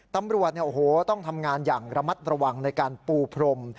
ตำรวจต้องทำงานอย่างระมัดระวังในการปูพรม